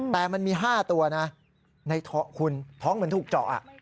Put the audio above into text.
แต่มันมี๕ตัวนะในท้องคุณท้องเหมือนถูกเจาะ